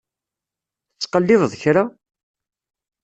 Tettqellibeḍ kra?